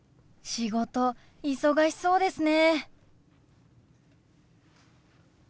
仕事忙しそうですね。